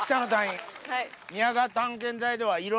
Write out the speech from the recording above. はい！